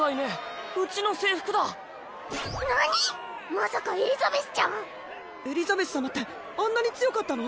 まさかエリザベスちゃん⁉エリザベス様ってあんなに強かったの？